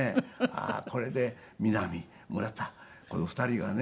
ああーこれで三波村田この２人がね